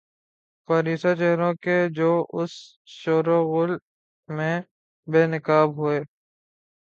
پارسا چہروں کی جو اس شوروغل میں بے نقاب ہوئی۔